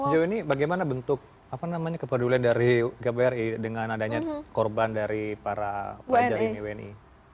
sejauh ini bagaimana bentuk kepedulian dari kbri dengan adanya korban dari para pelajar ini wni